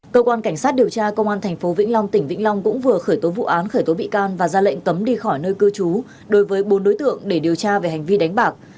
cơ quan cảnh sát điều tra công an tp vĩnh long tỉnh vĩnh long cũng vừa khởi tố vụ án khởi tố bị can và ra lệnh cấm đi khỏi nơi cư trú đối với bốn đối tượng để điều tra về hành vi đánh bạc